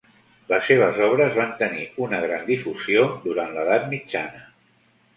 Les seves obres van tenir una gran difusió durant l'Edat mitjana.